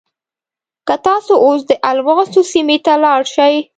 که تاسو اوس د الماسو سیمې ته لاړ شئ.